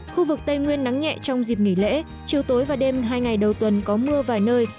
khu vực tây nguyên nắng nhẹ trong dịp nghỉ lễ chiều tối và đêm hai ngày đầu tuần có mưa vài nơi